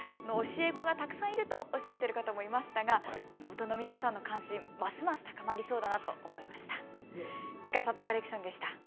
教え子がたくさんいるとおっしゃっている方もいましたが地元の皆さんの関心ますます高まりそうだなと思いました。